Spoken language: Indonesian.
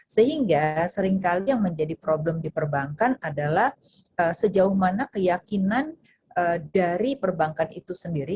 sehingga seringkali yang menjadi problem di perbankan adalah sejauh mana keyakinan dari perbankan itu sendiri